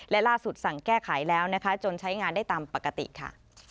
และล่าสุดสั่งแก้ไขแล้วนะคะจนใช้งานได้ตามปกติค่ะ